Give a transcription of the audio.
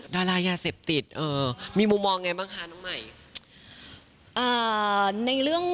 ดารายาเสพติดมีมุมมองไงบ้างคะน้องหมาย